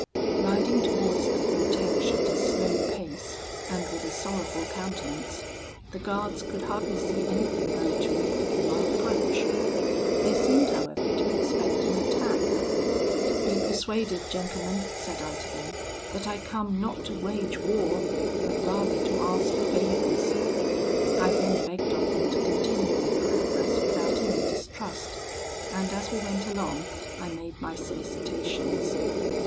"Riding towards the cortege at a slow pace, and with a sorrowful countenance, the guards could hardly see anything very terrific in my approach. They seemed, however, to expect an attack. 'Be persuaded, gentlemen,' said I to them, 'that I come not to wage war, but rather to ask favours.' I then begged of them to continue their progress without any distrust, and as we went along I made my solicitations.